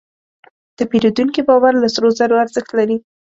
د پیرودونکي باور له سرو زرو ارزښت لري.